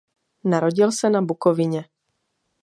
Narodil se na Bukovině.